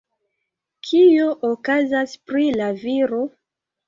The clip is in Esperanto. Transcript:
Kio okazas pri la viro?